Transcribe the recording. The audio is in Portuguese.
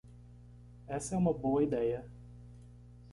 Essa é uma boa ideia.